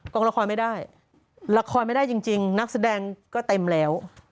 ละครไม่ได้ละครไม่ได้จริงนักแสดงก็เต็มแล้ว